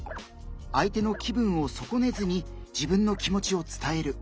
相手の気分を損ねずに自分の気持ちを伝える。